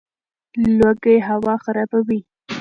لوګي هوا خرابوي.